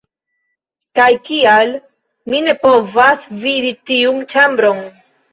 Kaj kial mi ne povas vidi tiun ĉambron?!